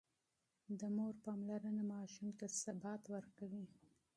د مور پاملرنه ماشوم ته ثبات ورکوي.